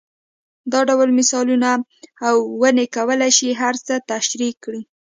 دا ډول مثالونه او ونې کولای شي هر څه تشرېح کړي.